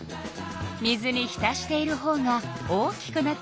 水に浸しているほうが大きくなっているでしょう？